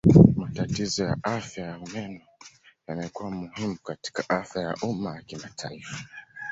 Matatizo ya afya ya meno yamekuwa muhimu katika afya ya umma ya kimataifa.